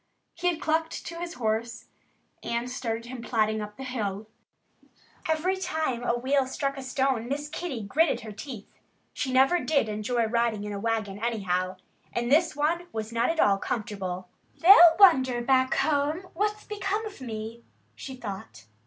He had clucked to his horse and started him plodding up the hill. Every time a wheel struck a stone Miss Kitty gritted her teeth. She never did enjoy riding in a wagon, anyhow. And this one was not at all comfortable. "They'll wonder, back home, what's become of me," she thought.